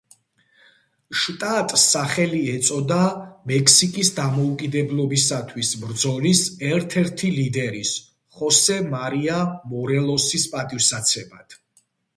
შტატს სახელი ეწოდა მექსიკის დამოუკიდებლობისათვის ბრძოლის ერთ-ერთი ლიდერის, ხოსე მარია მორელოსის პატივსაცემად.